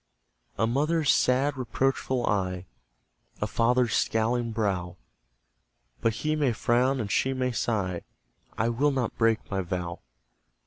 A mother's sad reproachful eye, A father's scowling brow But he may frown and she may sigh: I will not break my vow!